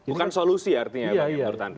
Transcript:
bukan solusi artinya menurut anda